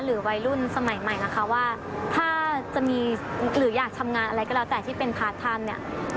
หรือวัยรุ่นสมัยใหม่นะคะว่าถ้าจะมีหรืออยากทำงานอะไรก็แล้วแต่ที่เป็นพระท่านเนี่ย